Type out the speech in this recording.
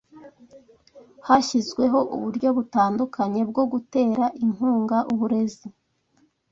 hashyizweho uburyo butandukanye bwo gutera inkunga uburezi